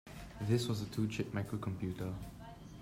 This was a two-chip microcomputer.